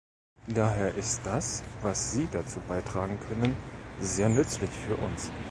Daher ist das, was Sie dazu beitragen können, sehr nützlich für uns.